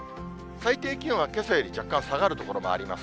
最低気温はけさより若干下がる所があります。